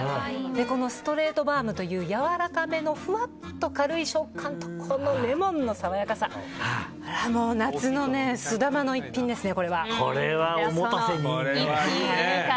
このストレートバームというやわらかめのふわっと軽い食感とこのレモンの爽やかさ夏の須玉の一品ですね。